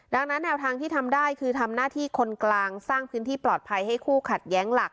ดังนั้นแนวทางที่ทำได้คือทำหน้าที่คนกลางสร้างพื้นที่ปลอดภัยให้คู่ขัดแย้งหลัก